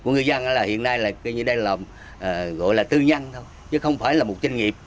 ngư dân hiện nay gọi là tư nhân thôi chứ không phải là một doanh nghiệp